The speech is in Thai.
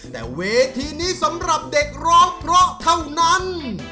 แต่เวทีนี้สำหรับเด็กร้องเพราะเท่านั้น